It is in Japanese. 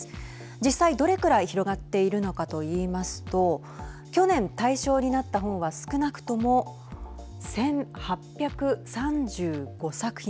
実際、どれぐらい広がっているのかと言いますと去年対象になった本は少なくとも１８３５作品。